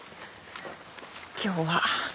今日は。